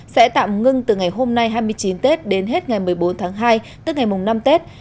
sẽ tạm ngưng từ ngày hôm nay hai mươi chín tết đến hết ngày một mươi bốn tháng hai tức ngày mùng năm tết